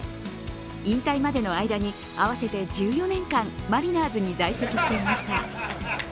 引退までの間に合わせて１４年間、マリナーズに在籍していました。